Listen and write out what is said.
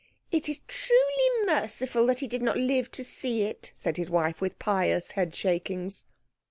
"It is truly merciful that he did not live to see it," said his wife, with pious head shakings.